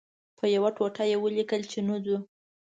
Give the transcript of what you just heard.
په یوه ټوټو یې ولیکل چې نه ځو.